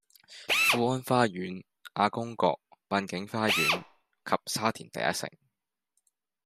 富安花園、亞公角、濱景花園及沙田第一城，